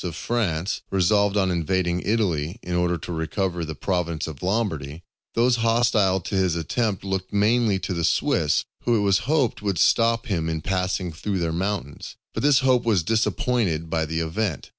of France resolved on invading Italy in order to recover the province of Lombardy, those hostile to his attempt looked mainly to the Swiss, who it was hoped would stop him in passing through their mountains. But this hope was disappointed by the event.